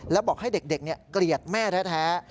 แล้วบอกให้เด็กเกลียดแม่แท้